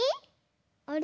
あれ？